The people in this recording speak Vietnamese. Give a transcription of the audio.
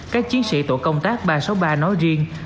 các chiến sĩ tổ công tác ba trăm sáu mươi ba nói riêng